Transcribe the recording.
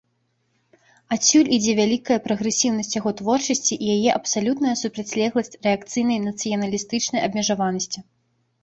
Адсюль ідзе вялікая прагрэсіўнасць яго творчасці і яе абсалютная супрацьлегласць рэакцыйнай нацыяналістычнай абмежаванасці.